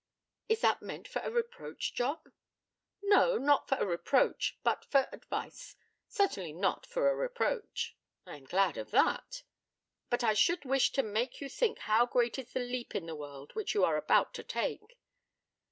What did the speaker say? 'Is that meant for a reproach, John?' 'No, not for a reproach, but for advice. Certainly not for a reproach.' 'I am glad of that.' 'But I should wish to make you think how great is the leap in the world which you are about to take.'